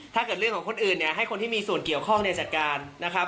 ถ้าเกิดเรื่องของคนอื่นเนี่ยให้คนที่มีส่วนเกี่ยวข้องจัดการนะครับ